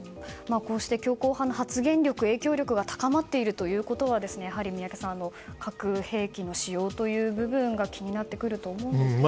こうして強硬派の発言力影響力が高まっているということはやはり宮家さん、核兵器の使用が気になってくると思いますが。